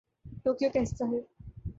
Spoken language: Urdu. ٹوکیو کا حصہ ہے